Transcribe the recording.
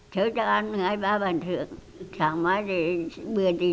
cụ hồ thị ái